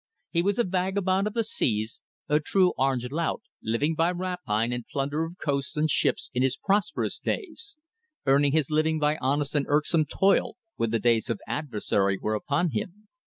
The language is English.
He was a vagabond of the seas, a true Orang Laut, living by rapine and plunder of coasts and ships in his prosperous days; earning his living by honest and irksome toil when the days of adversity were upon him.